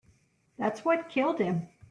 That's what killed him.